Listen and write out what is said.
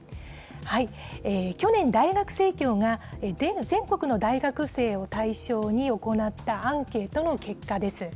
去年、大学生協が全国の大学生を対象に行ったアンケートの結果です。